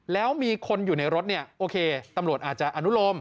แล้วมีคนอยู่ในรถเนี่ยโอเคตำรวจอาจจะอนุโลม